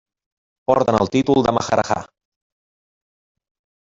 Porten el títol de maharajà.